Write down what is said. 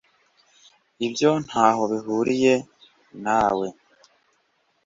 ibyo ntaho bihuriye na we